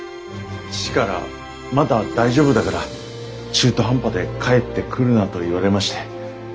父から「まだ大丈夫だから中途半端で帰ってくるな」と言われまして。